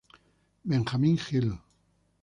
Benjamín Hill.